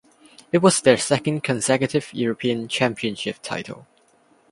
It was their second consecutive European championship title.